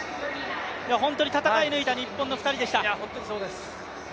本当に戦い抜いた日本の２人でした。